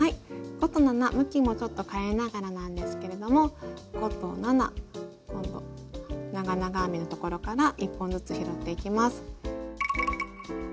５と７向きもちょっと変えながらなんですけれども５と７今度長々編みのところから１本ずつ拾っていきます。